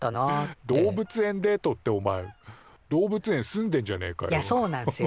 動物園デートっておまえ動物園住んでんじゃねえかよ。